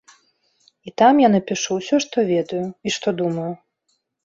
І там я напішу ўсё, што ведаю і што думаю.